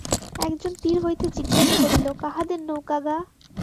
একজন তীর হইতে জিজ্ঞাসা করিল, কাহাদের নৌকা গা?